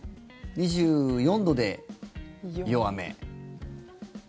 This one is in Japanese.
２４度で弱め。